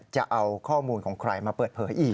จะเอาข้อมูลของใครมาเปิดเผยอีก